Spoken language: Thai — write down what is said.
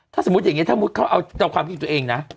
ถ้าสมมุติอย่างเงี้ยถ้าสมมุติเข้าเอาเอาความคิดของตัวเองนะ